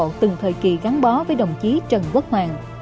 các cán bộ từng thời kỳ gắn bó với đồng chí trần quốc hoàn